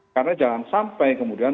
karena jangan sampai kemudian